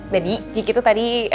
jadi gigi itu tadi